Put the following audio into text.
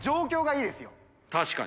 確かに。